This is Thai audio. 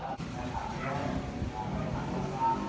สวัสดีครับคุณผู้ชาย